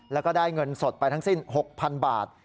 แล้วก็ได้เงินสดไปทั้งสิ้น๖๐๐๐บาท